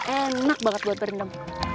enak banget buat berendam